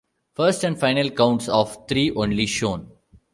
First and final counts of three only shown.